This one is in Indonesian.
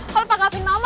kalau pak gafin mau